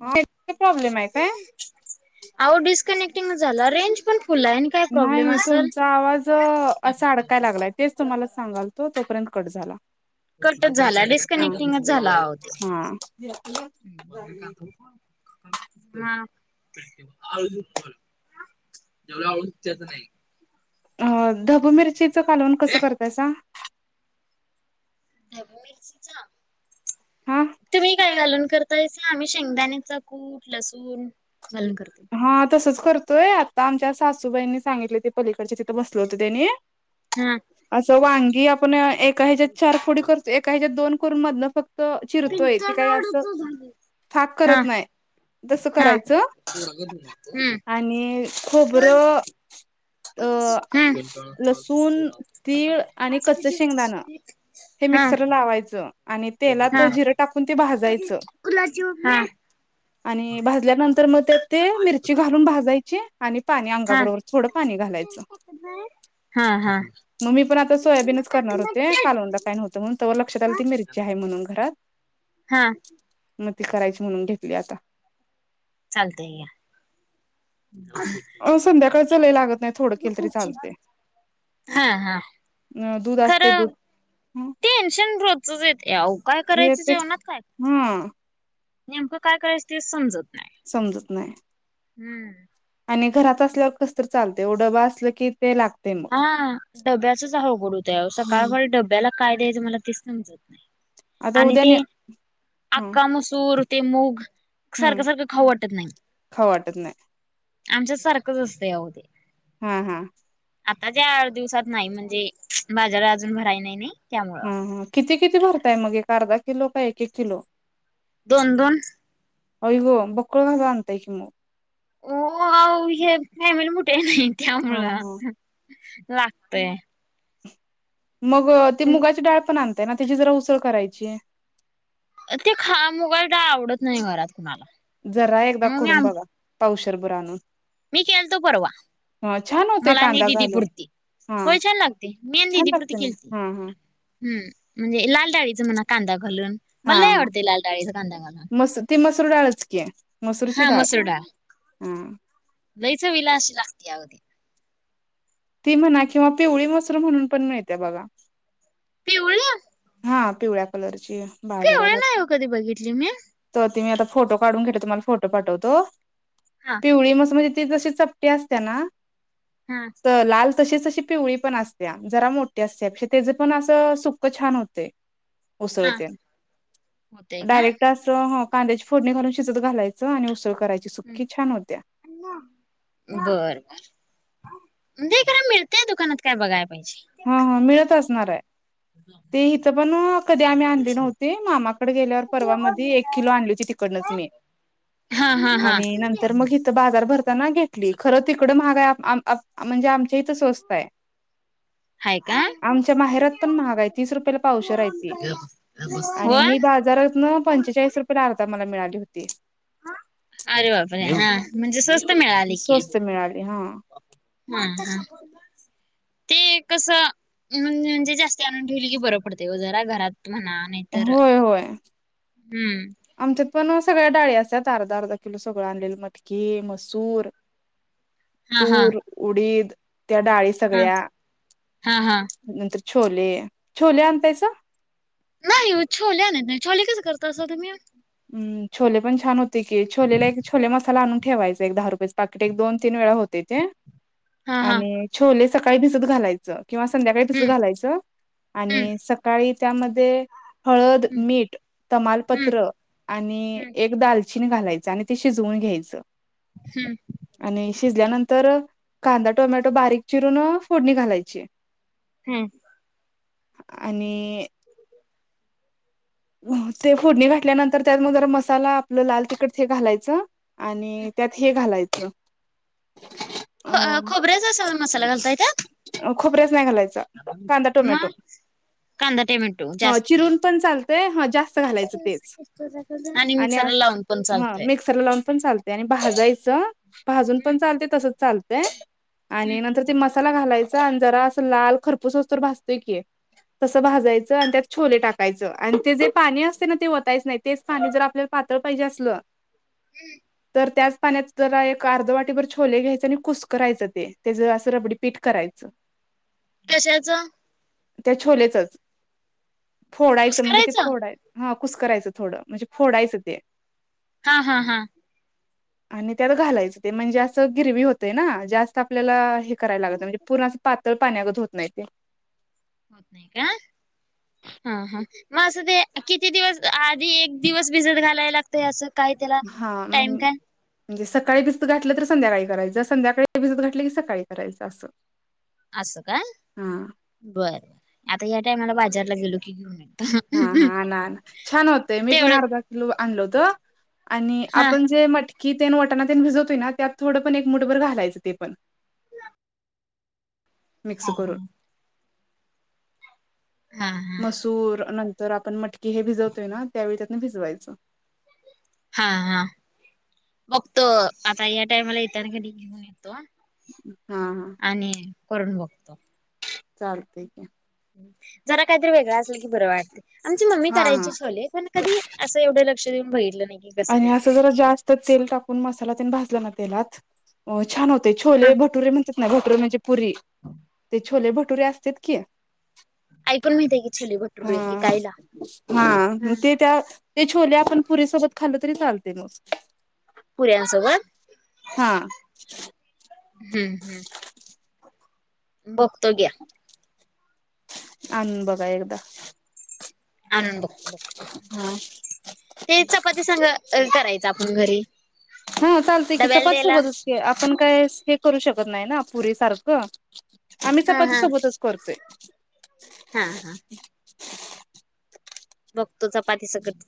[unintelligible] Problem आहे काय? आ ओ डिस्कनेक्टिंग झाला रेंज पण फुल आहे आणि काय प्रॉब्लेम नाय असेल तुमचा आवाज असा अडकाय लागलाय. तेच तुम्हाला सांगाल तो, तोपर्यंत कट झाला. कटच झाला. हा. डिस्कनेक्टिंगच झाला आओ ते. हा. म [unintelligible] जेवढ आवड त्याचं नाही. हा ढबू मिरचीचा कालवण कसं करताय सा? ढबू मिरचीचं, हा तुम्ही काय घालून कर तेचना आम्ही शेंगदाण्याचा कुट, लसूण घालून करतोय. हा तसच करतोय आता आमच्या सासूबाईंनी सांगितले ते पलीकडच्या तिथं बसलो होतो त्यांनी. हम्म.. असं वांगी आपण एका हेज्यात चार फोडी करतो एका हेज्यात दोन फोडी करून मधनं फक् तो चिरतोय ते कायं असं, फाक हा करत नाय. तसं हा करायचं हम्म आणि खोबरं अ हम्म लसूण तीळ आणि कच्च शेंगदाणं. हे मिक्सर लावायचं, आणि तेलात जिरं टाकून ते भाजायचं. [unintelligible] आणि भाजल्यानंतर म त्यात ते मिरची घालून भाजायचे आणि पाणी हा अंगाबरोबर थोडं, पाणी घालायचं. हा हा म मी पण आता सोयाबीनच करणार होते हा कालवणला. काय नव्हतं म्हणून तवर लक्षात आलं, ती मिरची हाय म्हणून घरात. हा. मग ती करायची म्हणून घेतली आता. चालतंय या. [unintelligible] अ... संध्याकाळच़ लय लागत नाही. थोडं केलं तरी चालतंय. हा हा अं दुध असतंय दुध. खरं टेन्शन रोजचं येतंय आओ काय हे करायचं ते जेवणात कायं. हा नेमकं काय करायचं ते समजत नाही. समजत नाही. हम्म. आणि घरात असल्यावर कसं तर चालतंय ओ. डबा असला की ते लाग हा डब्याचच अवघड होत्या हो हम्म सकाळका डब्याला काय द्यायचं मला तेच समजत नाय. आता आणि उद्या ने ते हं आक्का मसूर ते मूग सारख हं सारखं खाऊ वाटत नाही, खाऊ वाटत नाही आमच्यात सारखंच असतंय आओ ते. हा हा.. आता ज्या आठ दिवसात नाही, म्हणजे बाजार अजून भराय नाही नी. ह ह किती किती भरताय. मग एक अर्धा किलो का एक एक किलो. दोन-दोन. आय गो बक्कळज आणताय की म. हो हाव [unintelligible] फॅमिली मोठी हाय नाय हा हा त्यामुळे लागतय. मग ती मुगाची डाळ पण आणताय ना, त्यांची जरा उसळ करायची. ते खा मुगाची डाळ आवडत नाही घरात कुणाला. जरा एकदा मग मी करून आम बघा पावशेर भर आणून. मी केलतो परवा. ह छान होतय मला आणि कांदा घालून दिदीपुरती हा होय छान लागते, मी आणि छान दिदीपुरती लागते ना केलती. हा हा हम्म म्हणजे लाल डाळीचं म्हणा कांदा घालून. हा मला लय हा.. आवडते लाल डाळीचा कांदा घालून मस ती मसूर डाळच की, हा मसूर डाळ हा लै चवीला अशी लागत्या अगं ती. ती म्हणा किंवा पिवळी मसूरु म्हणून पण मिळते बघा. पिवळ्या हा पिवळ्या कलरची पिवळी बाजारात अस नाही हो कधी बघितली मी तवर ती मी आता फोटो काढून घेतो. तुम्हाला फोटो पाठवतो. हा पिवळी म्हस म्हणजे ती तशी च ते असत्या ना. हाच तर लाल तशीच तशी पिवळी पण असतेया जरा मोठी असत्या त्याज पण असं सुक्कं छान होते. हा उसळते होतय का डायरेक्ट असं. च हा कांद्याची फोडणी घालून शिजत घालायचं आणि उसळ करायची सुख्खी छान होत्या. बर बर. नाही खरं मिळतंय दुकानात काय बघाय पाहिजे. हा हा मिळत असणार आहे ते इथं पण कधी आम्ही आणली नव्हती. मामाकड गेल्यावर. परवामध्ये एक किलो आणली होती तिकडनच मी हा हा हा आणि नंतर मग तर बाजार भरताना घेतली, खरं तिकडं महाग आहे. आप आप म्हणजे आमच्या इथं स्वस्त आहे. [inaudible] आमच्या माहेरात पण महाग आहे, तीस रुपयला पावशेर आहे ती आणि होय मी बाजारांत. तीतन पंचेचाळीस रुपये ला अर्धा मला मिळाली होती. अरे बापरे हा म्हणजे स्वस्त मिळाली की. स्वस्त मिळाली हा हा हा ते कसं, म्हणजे म्हणजे जास्त आणून ठेवली की बरं पडतंय ओ जरा घरात म्हणा. नाही तर होय होय हम्म... आमच्यात पण सगळ्या डाळी असतात अर्धा अर्धा किलो सगळं आणलेल मटकी, मसूर [inaudible] हा तूर उडीद त्या डाळी हा सगळ्या. हा हा नंतर छोले, छोले आणतायसा. नाही हो छोले आणत नाही, छोले कसं करतासा तुम्ही. हम्म छोले पण छान होते की छोलेला एक छोले मसाला आणून ठेवायचा एक दहा रुपयेच. पाकिट एक दोन तीन वेळा होते ते, हा हा आणि छोले सकाळी भिजत घालायचं. किंवा संध्याकाळी तसं हम्म घालायचं. हम्म आणि सकाळी त्यांमध्ये, हळद हम्म मीठ हम्म तमालपत्र आणि हम्म ए एक दालचिनी घालायचं आणि ते शिजवून घ्यायचं. हम्म. आणि शिजल्यानंतर, कांदा टोमॅटो बारीक चिरून फोडणी घालायची. हम्म.. आणि ते फोडणी घातल्यानंतर त्यात मग, जरा मसाला आपलं लाल तिखट हे घालायचं. आणि त्यात हे घालायचं. अ खोबऱ्याचा स असं मसाला घालत्या त्या. खोबरंच नाही घालायचं. म.. कांदा टँमेटो ह जास्ती चिरून पण चालतंय ह जास्त घालायचं तेच आणि मिक्सरला लावून पण हा चालतय मिक्सरला लावून पण चाल आणि भाजायचं भाजून पण चालते तसच चालतय आणि नंतर ते म ला घालायचा आणि असं लाल खरपूस होउस तर भाजतय की. तसं भाजायचं आणि त्यात छोले टाकायचं आणि ते जे पाणी असते ना ते वतायच नाही. तेच पाणी जर आपल्याला पातळ पाहिजे असलं हम्म. तर त्याच पाण्यात जरा एक अर्ध वाटीभर छोले घ्यायचे आणि कुस्करायं ते तेज अस रबडी पीठ करायचं. कशाचं? त्या छोलेचच. फोडायचं म्हणजे ते कुसकरायचं फोडाय हा कुस्करायचं थोडं म्हणजे फोडायचं ते. हा हा हा. आणि त्यात घालायचं ते म्हणजे असं गिरवी होतंय ना. जास्त आपल्याला हे करायला लागत नाही म्हणजे पूर्ण पातळ पाण्यागत होत नाही ते. होत नाही का. हा हा. मग असं ते किती दिवस आधी एक दिवस भिजत घालायला ते असं काय त्याल हा. म्हण म्हणजे सकाळी भिजत घातलं तर संध्याकाळी करायचं, संध्याकाळी भिजत घातलं की सकाळी करायचं असं. असं का? हा बरं बर. आता या टायमाला बाजारला गेलो की घेऊन येतो. हा हा. आणा आणा छान होतंय. मी पण तेवढं अर्धा किलो आणलवत. आणि हा आपण जे मटकी तेन वटणा तेन भिजवतोय ना, त्यात थोडं पण एक मुठभर घालायचं ते पण. मिक्स करून. हा. हा मसूर नंतर आपण मटकी हे भिजवतोय ना त्यावेळी त्यातन भिजवायचं. हा हा. बघतो आता या टायमाला येताना की नाही घेऊन येतो. हा हा. आणि करून बघतो. चालतंय की. जरा काहीतरी वेगळां असल की बरं वाटतंय. आमची मम्मी हा हा करायचीच छोले, पण कधी असं एवढं लक्ष देऊन बघितलं नाही की कसं करत्यात. त्यात तेल टाकून मसाला तेन भाजला ना तेलात अ छान होतंय. हा छोले भटुरे म्हणतात ना भटुरे म्हणजे पुरी ते छोले भटुरे असत्यात की ऐकून माहितेय की छोले भट हा हा. ते त्या ते छोले आपण पुरीसोबत खाल्ल तरी चालते मग. पुऱ्यांसोबत हा. हम्म हम्म. बघतो घ्या. आणून बघा एकदा. [unintelligible] हा. ते चपाती संग करायचं आपण घरी. हा चालतंय की डब्याला चपाती द्यायला सोबतच की आपण काय हे करू शकत नाही ना पुरीे सारखं. आम्ही हा चपाती हा सोबतच करतोय. हा हा. बघतो चपाती सकट.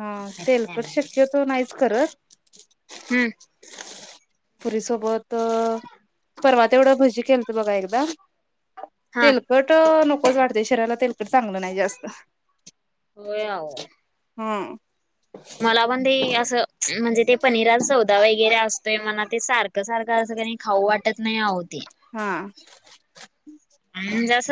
हा तेलकट शक्यतो नाहीच करत. हम्म. पुरीसोबत परवा तेवढं भजी केलत बघा एकदा. हा तेल कट नकोच वाढते शरीराला तेलकडे चांगलं नाही जास्त. होय अहो. हम्म. मला पण ते असं म्हणजे ते पनीराचा सौदा वगैरे असतोय म्हणा ते सारखं सारखं असं की नाही खाऊ वाट खाऊ वाटत नाही आहो ते. हा म्हजे अस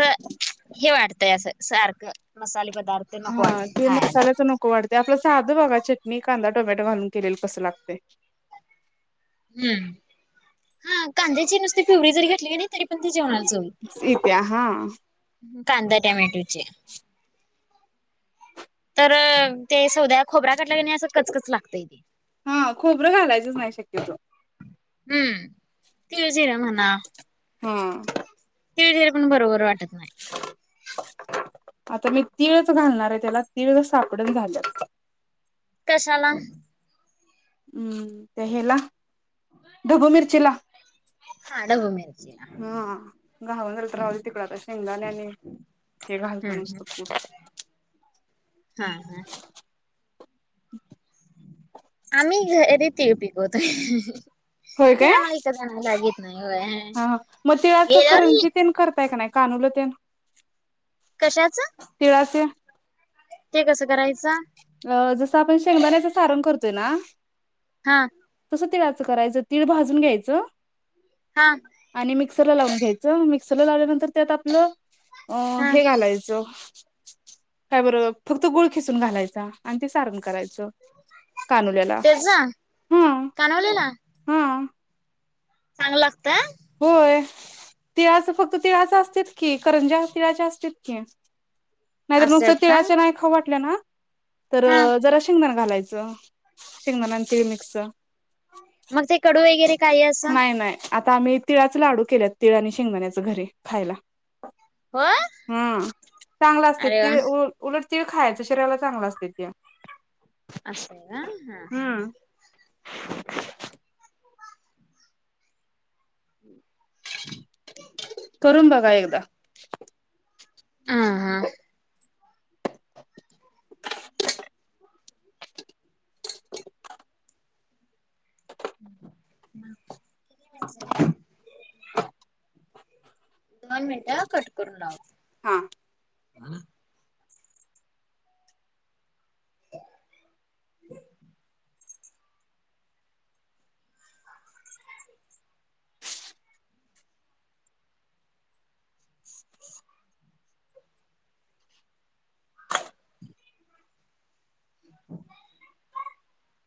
हे वाटतंय असं सारखं मसाले पदार्थ. नको हा वाटत ते खायला मसाल्याच नक नको वाटते. आपलं साधं बघा चटणी कांदा टोमॅटो घालून केलेली कसं लागतंय. हम्म. हा कांद्याची नुसती प्युरी जरी घातली की नाही तरी पण ती जेवणाला चव येते येत्या हा. कांदा टोमॅटोची. तर ते सौद्यात. खोबरा् घातल्या का नाही असं कच कच लागतय ते. हा खोबरं घालायचंच नाही शक्यतो. हम्म तीळ जिर म्हणा. हा. तीळ धरे पण बरोबर वाटत नाही. आता मी तिळच घालणार आहे त्याला, तिळ सापडना झाल्यात. कशाला? हम्म ते हेला ढबू मिरचीला. हा ढबू मिर हम्म घावन झाल तर राहूदे तिकड तर शेंगदाणे आणि ते हम्म घालतो हम्म. नुसतं कुट. हा हा. आम्ही घरी तीळ पिकवतोय होय तरी काय? आम्हाला विकत आणायला लागत नाही व्हयं. हा मग तिळाचं करंजी तेन करताय का नाही कानूलं तेन? कशाच? तिळाचे. ते कसं करायचं? अ जसं आपण शेंगदाण्याचं सारण करतोय ना हा. तसं तिळाचं करायचं. तीळ भाजून घ्यायचं हा. आणि मिक्सरला लावून घ्यायचं. मिक्सरला लावल्यानंतर त्यात आपलं हा हे घालायचं. काय बर फक्त गुळ खिसून घालायचं. आणि ते सारण करायचं कानोल्याला तेच हा. कानवलेला हा. चांगलं लागतं. होय तिळाचं फक्त तिळाचं असत्यात की, करंज्या तिळाच्या असत्यात की. नाहीतर नुसतं असत्यात का? तिळाचं नाही खाऊ वाटलं ना? तर हा जरा शेंगदाणा घालायचं. शेंगदाणा आणि तीळ मिक्स. मग ते कडू वगैरे. काही असं नाही नाही आता आम्ही तिळाचे लाडू केलेत तिळ आणि शेंगदाणेनच घरी खायला. होय हा चांगलं असतंय अरे वा तीळ, गुळ उलट तील खायचं शरीराला चांगलं असते ते. असं आहे का? हा हा हा. हम्म करून बघा एकदा. हा हा. कितीला आहे साड्या? दोन मिनट कट करून लावतो. हा. ह [unintelligible] [inaudible] [inaudible] [unintelligible]